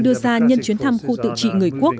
đưa ra nhân chuyến thăm khu tự trị người quốc